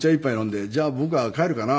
じゃあ僕は帰るかなと思って。